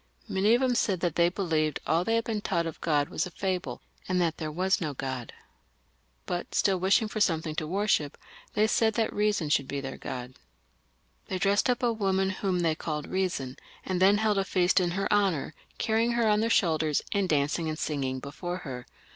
Many of them said that they believed all they had been taught of God was a fable, and that there was no God ; but still wishing for something to worship, they said that Reason should be their God, They dressed up a woman whom they called Reason, and then held a feast in her honour, carrying her on their shoulders, and dancing and singing before her.